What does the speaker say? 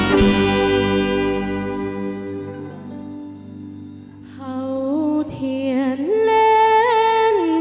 เผ่าเทียนเล่นไฟ